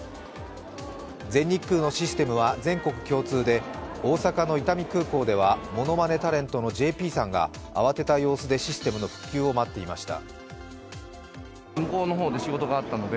全日空のシステムは全国共通で大阪の伊丹空港ではものまねタレントのＪＰさんが慌てた様子でシステムの復旧を待っていました。